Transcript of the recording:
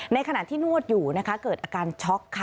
ในขณะที่นวดอยู่นะคะเกิดอาการช็อกค่ะ